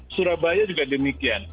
surabaya juga demikian